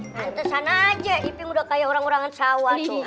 nanti sana aja iping udah kayak orang orangan sawah tuh